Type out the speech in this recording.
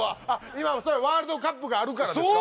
今ワールドカップがあるからですか？